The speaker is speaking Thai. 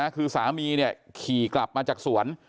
คือสามีขี่กลับมาจากสวน